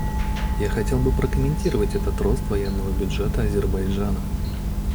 Я хотел бы прокомментировать этот рост военного бюджета Азербайджана.